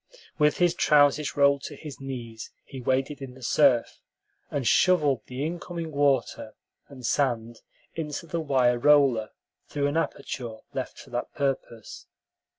With his trousers rolled to his knees, he waded in the surf, and shoveled the incoming water and sand into the wire roller through an aperture left for that purpose.